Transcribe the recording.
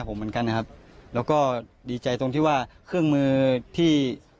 ผมเหมือนกันนะครับแล้วก็ดีใจตรงที่ว่าเครื่องมือที่